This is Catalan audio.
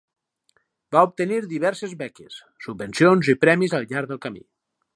Va obtenir diverses beques, subvencions i premis al llarg del camí.